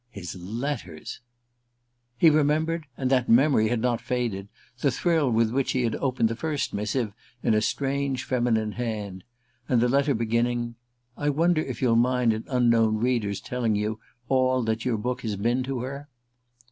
His letters! He remembered and that memory had not faded! the thrill with which he had opened the first missive in a strange feminine hand: the letter beginning: "I wonder if you'll mind an unknown reader's telling you all that your book has been to her?"